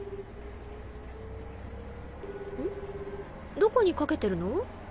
どこにかけてるの？